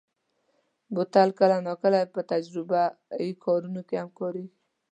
بوتل کله ناکله په تجربهيي کارونو کې هم کارېږي.